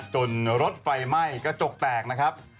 จนรถไฟแม่ก็จกแตกนะครับ